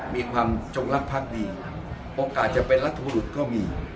มีความจงรักภักดีโอกาสจะเป็นรัฐบุรุษก็มี